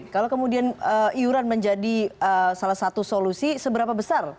kalau kemudian iuran menjadi salah satu solusi seberapa besar